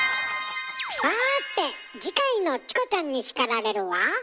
さて次回の「チコちゃんに叱られる」は？